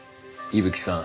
伊吹さん？